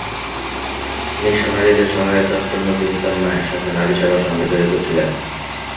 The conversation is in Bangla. নিঃস্ব নারীদের সহায়তার জন্য তিনি তাঁর মায়ের সাথে নারী সেবা সংঘে জড়িত ছিলেন।